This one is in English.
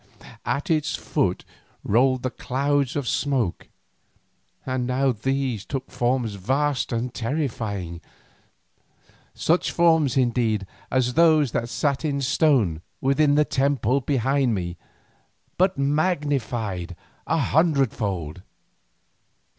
At its foot rolled the clouds of smoke, and now these too took forms vast and terrifying, such forms indeed as those that sat in stone within the temple behind me, but magnified a hundredfold.